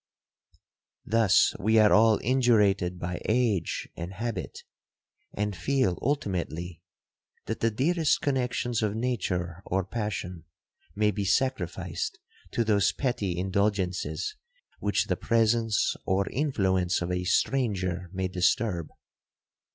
'Thus we are all indurated by age and habit,—and feel ultimately, that the dearest connexions of nature or passion may be sacrificed to those petty indulgences which the presence or influence of a stranger may disturb.